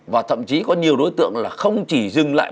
và thậm chí có nhiều đối tượng là không chỉ dừng lại